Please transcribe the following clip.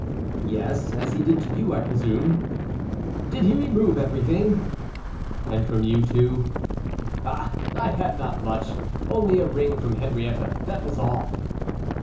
"Yes, as he did to you, I presume?" "Did he remove everything?" "And from you, too?" "Ah! I had not much; only a ring from Henrietta, that was all."